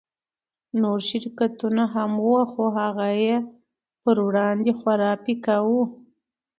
نور شرکتونه هم وو خو هغه يې پر وړاندې خورا پيکه وو.